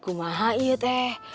kumaha iut eh